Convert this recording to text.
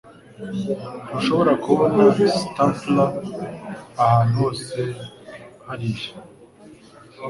Ntushobora kubona stapler ahantu hose hariya?